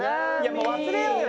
もう忘れようよ